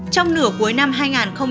trong nửa cuối năm hai nghìn hai mươi